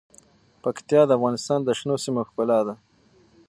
پکتیا د افغانستان د شنو سیمو ښکلا ده.